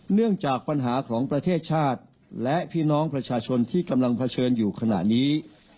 เนื่องจากปัญหาของประเทศชาติและพี่น้องประชาชนที่กำลังเผชิญอยู่ขณะนี้